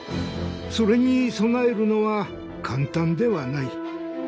それに備えるのは簡単ではない。